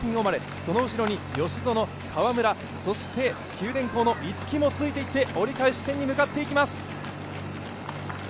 その後ろに吉薗、川村そして九電工の逸木もついていって、折り返し地点に向かっていきます。